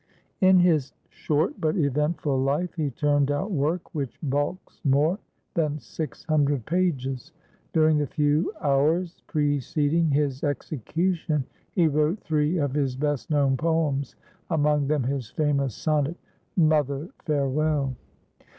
In his short but eventful life he turned out work which bulks more than six hundred pages. During the few hours preceding his execution he wrote three of his best known poems, among them his famous sonnet, "Mother, Farewell!"